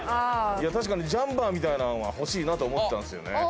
確かにジャンパーみたいなのは欲しいなと思ってたんですよね。